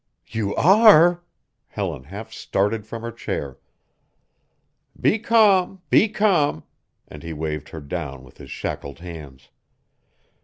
"You are!" Helen half started from her chair. "Be calm; be calm," and he waved her down with his shackled hands.